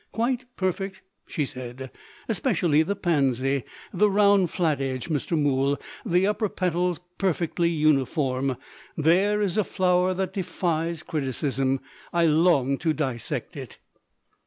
"Quite perfect," she said "especially the Pansy. The round flat edge, Mr. Mool; the upper petals perfectly uniform there is a flower that defies criticism! I long to dissect it."